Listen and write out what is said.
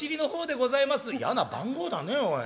『嫌な番号だねおい』。